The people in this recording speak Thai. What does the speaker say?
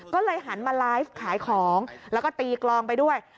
ก็เลยหันมาไลฟ์ขายของแล้วก็ตีกลองไปด้วย